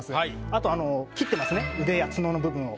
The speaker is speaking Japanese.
あと切ってますね腕や角の部分を。